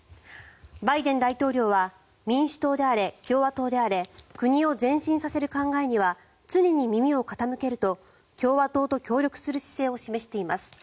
バイデン大統領は民主党であれ、共和党であれ国を前進させる考えには常に耳を傾けると共和党と協力する姿勢を示しています。